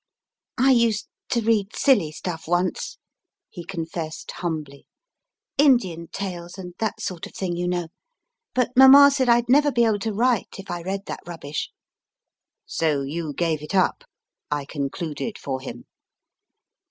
I used to read silly stuff once, he confessed x MY FIRST BOOK humbly, * Indian tales and that sort of thing, you know, but Mama said I d never be able to write if I read that rubbish. So you gave it up, I concluded for him.